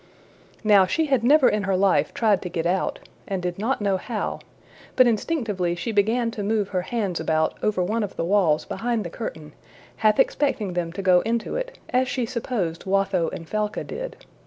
Now, she had never in her life tried to get out, and did not know how; but instinctively she began to move her hands about over one of the walls behind the curtain, half expecting them to go into it, as she supposed Watho and Falca did.